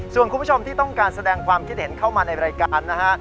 ส่วนคุณผู้ชมที่ต้องการแสดงความคิดเห็นเข้ามาในรายการนะฮะ